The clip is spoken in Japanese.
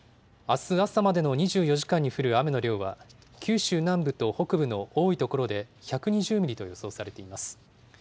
あす朝までの２４時間に降る雨の量は、九州南部と北部の多い所で１２０ミリと予想されています。